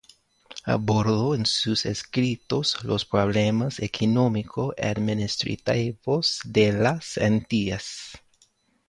Abordó en sus escritos los problemas económico-administrativos de las Antillas.